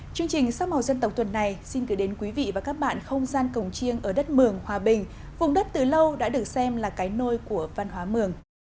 chương trình sắc màu dân tộc tuần này xin gửi đến quý vị và các bạn không gian cổng chiêng ở đất mường hòa bình vùng đất từ lâu đã được xem là cái nôi của văn hóa mường